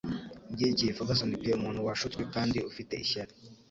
Ibyerekeye Ferguson pe umuntu washutswe kandi ufite ishyari